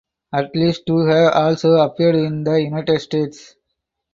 At least two have also appeared in the United States.